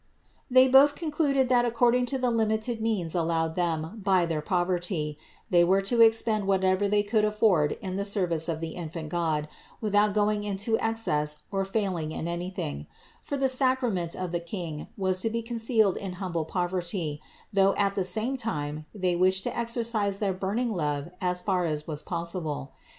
506, 508, 536, 545). They both concluded that according to the limited means allowed them by their poverty they were to expend whatever they could afford in the service of the infant God without going into excess or failing in anything; for the sacrament of the King was to be concealed in humble poverty, though at the same time they wished to exercise their burning love as far as was possible.